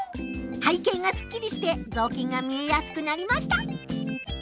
背景がすっきりしてぞうきんが見えやすくなりました。